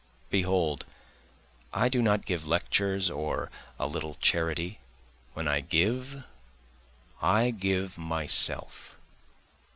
Behold, I do not give lectures or a little charity, When I give I give myself.